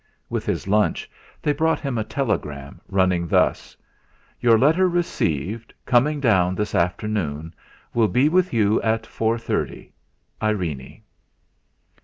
With his lunch they brought him a telegram, running thus: '.our letter received coming down this afternoon will be with you at four thirty. Irene.'